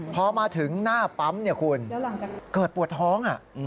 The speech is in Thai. พอมาถึงหน้าปั๊มเนี่ยคุณเกิดปวดท้อง